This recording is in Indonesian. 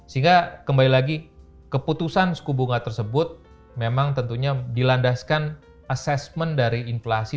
sehingga kembali lagi keputusan suku bunga tersebut memang tentunya dilandaskan assessment dari inflasi